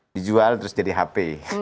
dijual terus jadi hp